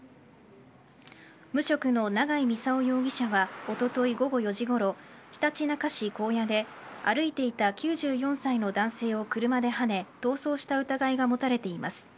無職の永井操容疑者はおととい午後４時ごろひたちなか市高野で歩いていた９４歳の男性を車ではね逃走した疑いが持たれています。